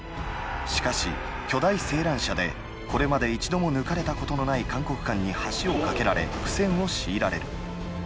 しかし巨大井闌車でこれまで一度も抜かれたことのない函谷関に橋を架けられ苦戦を強いられる。